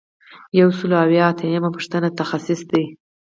یو سل او یو اتیایمه پوښتنه تخصیص دی.